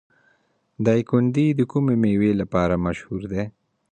دایکنډي د کومې میوې لپاره مشهور دی؟